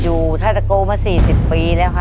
อยู่ทะตะโกมา๔๐ปีแล้วค่ะ